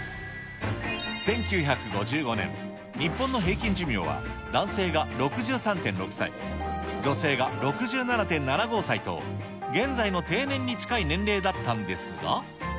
１９５５年、日本の平均寿命は、男性が６３．６歳、女性が６７．７５歳と、現在の定年に近い年齢だったんですが。